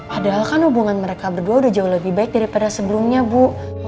padahal kan hubungan mereka berdua udah jauh lebih baik daripada sebelumnya bu